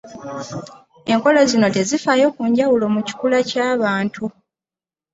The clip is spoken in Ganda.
Enkola zino tezifaayo ku njawulo mu kikula ky’abantu.